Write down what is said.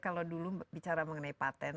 kalau dulu bicara mengenai patent